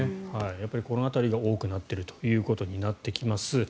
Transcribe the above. やっぱりこの辺りが多くなっているということになってきます。